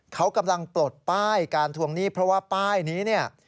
เขากำลังปลดป้ายการทวงหนี้เพราะว่าป้ายนี้เนี่ย